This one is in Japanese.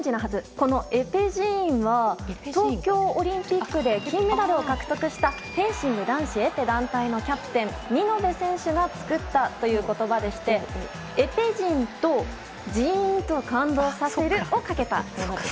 このエペジーーンは東京オリンピックで金メダルを獲得したフェンシング男子エペ団体のキャプテン見延選手が作った言葉でしてエペ陣とジーンと感動させるをかけたものです。